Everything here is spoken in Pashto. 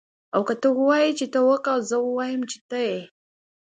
او که ته ووايي چې ته او که زه ووایم چه ته يې